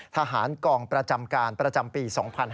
ทหารกองประจำการประจำปี๒๕๕๙